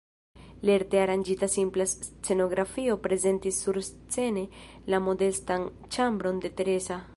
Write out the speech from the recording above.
Lerte aranĝita simpla scenografio prezentis surscene la modestan ĉambron de Teresa.